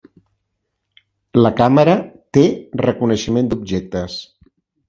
La càmera té reconeixement d'objectes.